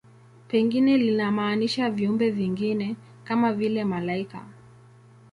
Pengine linamaanisha viumbe vingine, kama vile malaika.